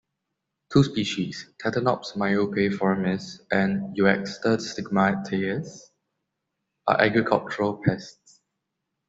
Two species, "Tetanops myopaeformis" and "Euxesta stigmatias", are agricultural pests.